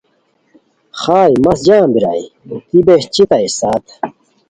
خائے مس جم بیرائے دی بہچیتائے ساعت